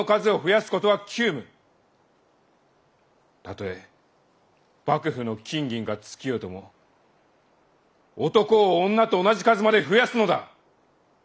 たとえ幕府の金銀が尽きようとも男を女と同じ数まで増やすのだ！